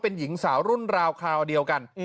เป็นหญิงสาวรุ่นราวคราวเดียวกัน